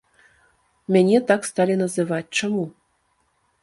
Мяне так сталі называць чаму?